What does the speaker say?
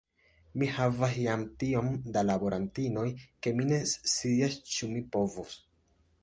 Mi havas jam tiom da laborantinoj, ke mi ne scias, ĉu mi povos.